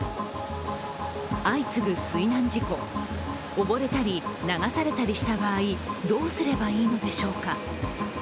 相次ぐ水難事故溺れたり流されたりした場合、どうすればいいのでしょうか。